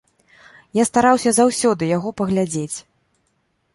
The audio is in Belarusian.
Я стараўся заўсёды яго паглядзець.